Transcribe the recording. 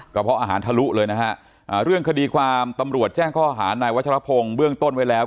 เพาะอาหารทะลุเลยนะฮะเรื่องคดีความตำรวจแจ้งข้อหานายวัชรพงศ์เบื้องต้นไว้แล้ว